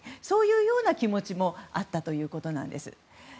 そういうような気持ちもあったということです。